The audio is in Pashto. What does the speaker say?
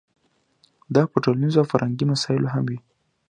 دا په ټولنیزو او فرهنګي مسایلو هم وي.